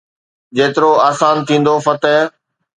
جيترو آسان ٿيندو فتح.